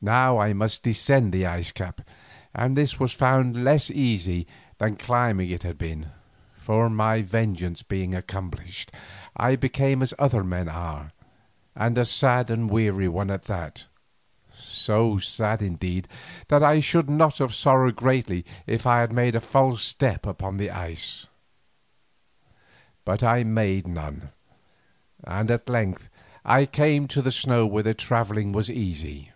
Now I must descend the ice cap, and this I found less easy than climbing it had been, for, my vengeance being accomplished, I became as other men are, and a sad and weary one at that, so sad indeed that I should not have sorrowed greatly if I had made a false step upon the ice. But I made none, and at length I came to the snow where the travelling was easy.